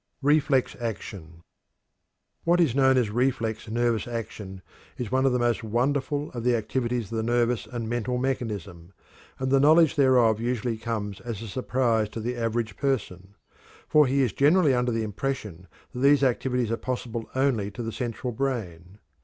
REFLEX ACTION. What is known as reflex nervous action is one of the most wonderful of the activities of the nervous and mental mechanism, and the knowledge thereof usually comes as a surprise to the average person, for he is generally under the impression that these activities are possible only to the central brain.